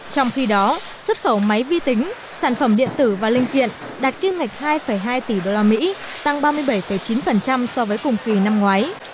trong khi đó xuất khẩu máy vi tính sản phẩm điện tử và linh kiện đạt kim ngạch hai hai tỷ usd tăng ba mươi bảy chín so với cùng kỳ năm ngoái